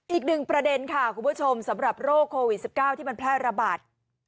อีกหนึ่งประเด็นค่ะคุณผู้ชมสำหรับโรคโควิด๑๙ที่มันแพร่ระบาด